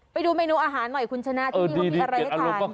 ไปดูเมนูอาหารหน่อยคุณชนะที่นี่เขามีอะไรให้กินเออดีดีเกลียดอารมณ์บ้าง